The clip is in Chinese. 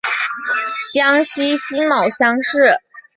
江西辛卯乡试。